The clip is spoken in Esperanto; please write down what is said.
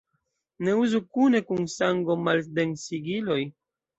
Ne uzu kune kun sango-maldensigiloj.